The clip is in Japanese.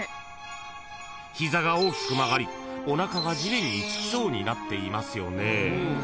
［膝が大きく曲がりおなかが地面につきそうになっていますよね］